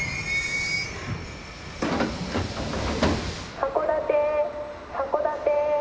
「函館函館。